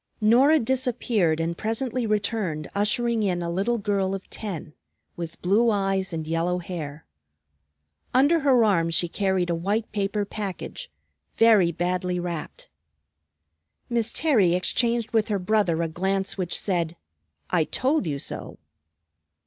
Norah disappeared and presently returned ushering in a little girl of ten, with blue eyes and yellow hair. Under her arm she carried a white paper package, very badly wrapped. Miss Terry exchanged with her brother a glance which said, "I told you so!"